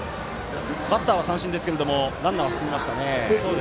バッターは三振ですけどランナーは進みましたね。